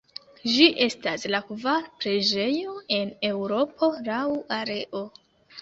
Ĝi estas la kvara preĝejo en Eŭropo laŭ areo.